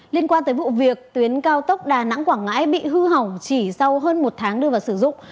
liên quan tới vụ việc tuyến cao tốc đà nẵng quảng ngãi bị hư hỏng chỉ sau hơn một tháng đưa vào sử dụng